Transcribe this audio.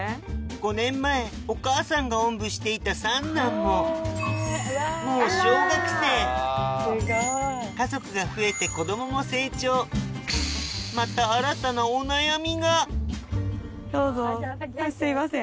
５年前お母さんがおんぶしていた三男ももう小学生家族が増えてまたどうぞすいません。